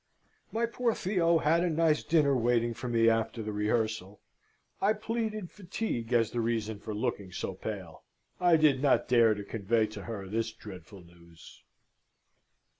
My poor Theo had a nice dinner waiting for me after the rehearsal. I pleaded fatigue as the reason for looking so pale: I did not dare to convey to her this dreadful news.